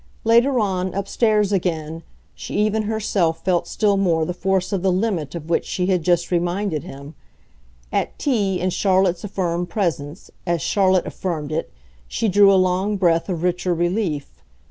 Later on, upstairs again, she even herself felt still more the force of the limit of which she had just reminded him; at tea, in Charlotte's affirmed presence as Charlotte affirmed it she drew a long breath of richer relief.